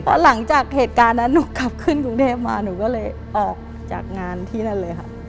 พอหลังจากเหตุการณ์นั้นหนูกลับขึ้นกรุงเทพมาหนูก็เลยออกจากงานที่นั่นเลยค่ะ